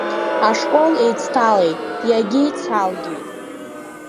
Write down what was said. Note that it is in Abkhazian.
Ашкол еицҭалеит, иагьеицалгеит.